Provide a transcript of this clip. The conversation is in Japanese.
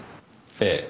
ええ。